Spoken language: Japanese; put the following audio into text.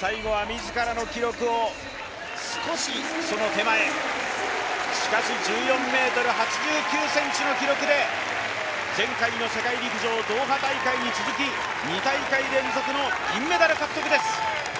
最後は自らの記録を、少しその手前しかし、１４ｍ８９９ｃｍの記録で前回の世界陸上ドーハ大会に続き、２大会連続の銀メダル獲得です。